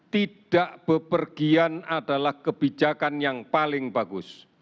tidak bepergian adalah kebijakan yang paling bagus